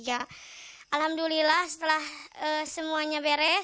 alhamdulillah setelah semuanya beres